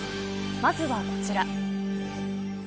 まずはこちら。